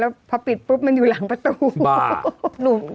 แล้วพอปิดปุ๊บมันอยู่หลังประตู